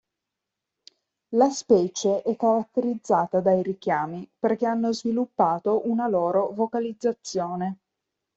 La specie è caratterizzata dai richiami, perché hanno sviluppato una loro vocalizzazione.